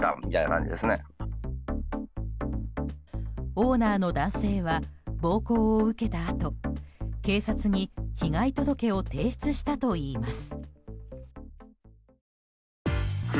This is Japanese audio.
オーナーの男性は暴行を受けたあと警察に被害届を提出したといいます。